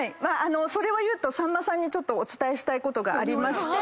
それをいうとさんまさんにお伝えしたいことがありまして。